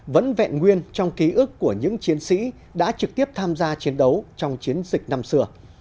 vẫn vẹn nguyên trong ký ức của những chiến sĩ đã trực tiếp tham gia chiến đấu trong chiến dịch năm xưa